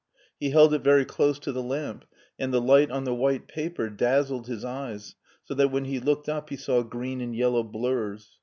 He held it very close to the lamp, and the light on the white paper dazzled his eyes so that when he looked up he saw green and yellow blurs.